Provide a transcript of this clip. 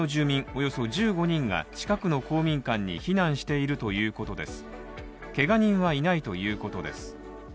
およそ１５人が近くの公民館に避難しているということです。